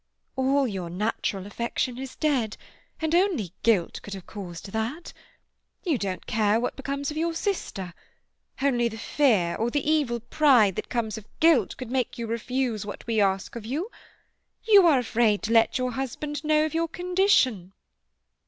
"All your natural affection is dead, and only guilt could have caused that. You don't care what becomes of your sister. Only the fear, or the evil pride, that comes of guilt could make you refuse what we ask of you. You are afraid to let your husband know of your condition."